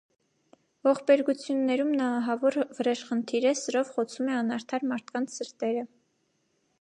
Ողբերգություններում նա ահավոր վրեժխնդիր է. սրով խոցում է անարդար մարդկանց սրտերը։